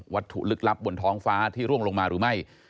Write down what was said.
ถูกลึกลับบนท้องฟ้าที่ร่วงลงมาหรือไม่